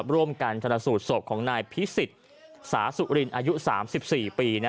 ร่วมกันชนสูตรศพของนายพิสิทธิ์สาสุรินอายุ๓๔ปี